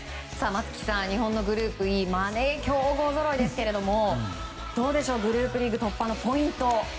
松木さん、日本のグループＥ強豪ぞろいですけどもどうでしょう、グループリーグ突破のポイントは？